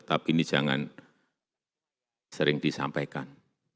tapi ini jangan sering disampaikan